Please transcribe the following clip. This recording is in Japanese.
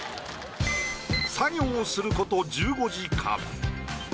作業すること１５時間。